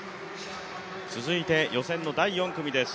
続いて、予選の第４組です。